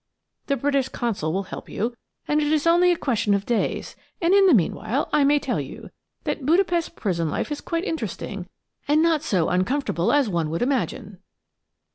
The British Consul will help you, and it is only a question of days, and in the meanwhile I may tell you that Budapest prison life is quite interesting, and not so uncomfortable as one would imagine."